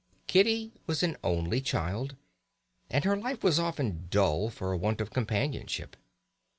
Kitty was an only child, and her life was often dull for want of companionship.